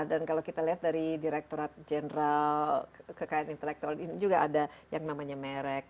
dan kalau kita lihat dari direkturat jeneral kekayaan intelektual ini juga ada yang namanya merek